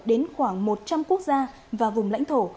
đến khoảng một trăm linh quốc gia và vùng lãnh thổ